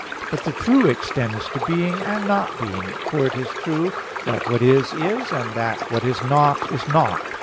But the true extends to being and not being; for it is true that what is, is; and that what is not, is not.